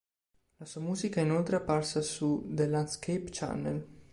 La sua musica inoltre è apparsa su "The Landscape Channel".